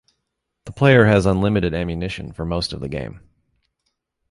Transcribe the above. The player has unlimited ammunition for most of the game.